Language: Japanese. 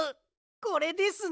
これですね。